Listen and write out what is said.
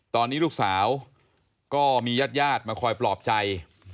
ตอนนี้ลูกสาวก็มีญาติญาติมาคอยปลอบใจ